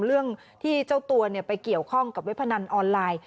เรื่องที่เจ้าตัวไปเกี่ยวข้องกับเว็บพนันออนไลน์